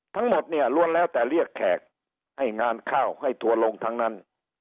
ทั้งหมดเนี่ยล้วนแล้วแต่เรียกแขกให้งานข้าวให้ทัวร์ลงทั้งนั้น